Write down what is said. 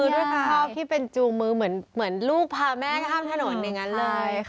คือด้วยภาพที่เป็นจูงมือเหมือนลูกพาแม่ข้ามถนนอย่างนั้นเลยค่ะ